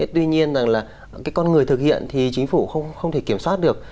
tuy nhiên rằng là cái con người thực hiện thì chính phủ không thể kiểm soát được